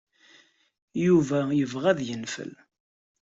Yuba yebɣa ad yenfel.